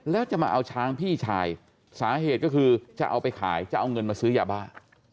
แล้วจะมาเอาช้างพี่ชายสาเหตุก็คือจะเอาไปขายจะเอาเงินมาซื้อยาบ้า